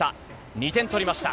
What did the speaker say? ２点取りました。